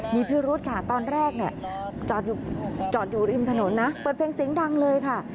มีเพื่อนรถค่ะตอนแรกจอดอยู่ริมถนนเปิดเพลงสิงห์ดังเลยค่ะ